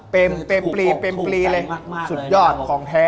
เต็มเต็มปลีเต็มปลีเลยสุดยอดของแท้